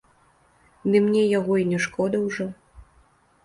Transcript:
Ды мне яго і не шкода ўжо.